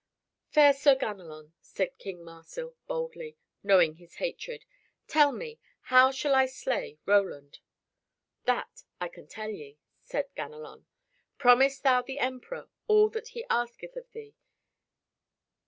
"Fair Sir Ganelon," said King Marsil boldly, knowing his hatred, "tell me, how shall I slay Roland?" "That I can tell thee," said Ganelon. "Promise thou the Emperor all that he asketh of thee.